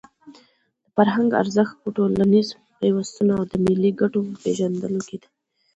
د فرهنګ ارزښت په ټولنیز پیوستون او د ملي ګټو په پېژندلو کې دی.